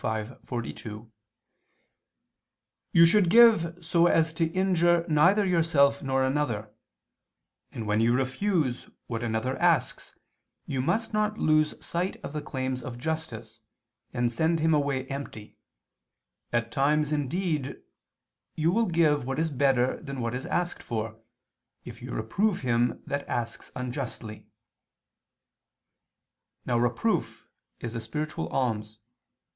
5:42): "You should give so as to injure neither yourself nor another, and when you refuse what another asks you must not lose sight of the claims of justice, and send him away empty; at times indeed you will give what is better than what is asked for, if you reprove him that asks unjustly." Now reproof is a spiritual alms.